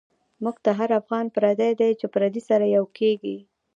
مونږ ته هر افغان پردۍ دۍ، چی پردی سره یو کیږی